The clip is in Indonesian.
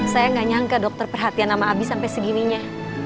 saya tidak menyangka dokter perhatian sama abi sampai segininya